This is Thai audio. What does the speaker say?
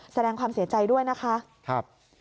แสดงความเสียใจด้วยนะคะ